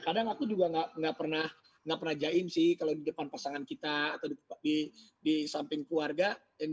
kadang aku juga nggak pernah jain sih kalau di depan pasangan kita atau di samping keluarga